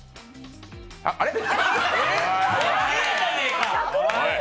あれ？